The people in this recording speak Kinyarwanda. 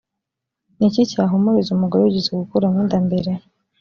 ni iki cyahumuriza umugore wigeze gukuramo inda mbere